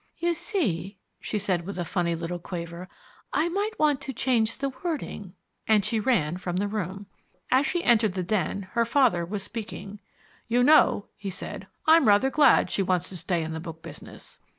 "You see," she said with a funny little quaver, "I might want to change the wording." And she ran from the room. As she entered the den, her father was speaking. "You know," he said, "I'm rather glad she wants to stay in the book business."